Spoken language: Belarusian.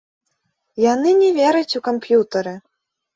Яны не вераць у камп'ютары!